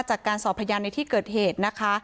จากการสอบพยานในที่เกิดเหตุนะคะ